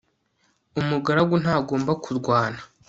umugaragu ntagomba kurwana